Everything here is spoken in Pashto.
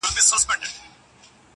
هنرمندان خلکو ته الهام ورکوي